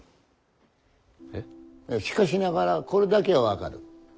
しかしながらこれだけは分かる。